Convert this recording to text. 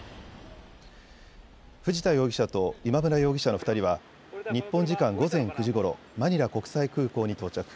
藤田容疑者と今村容疑者の２人は日本時間午前９時ごろ、マニラ国際空港に到着。